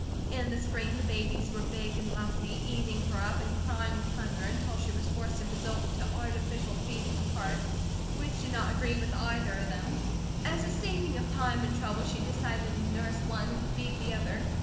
In the spring the babies were big and lusty, eating her up, and crying with hunger, until she was forced to resort to artificial feeding in part, which did not agree with either of them. As a saving of time and trouble she decided to nurse one and feed the other.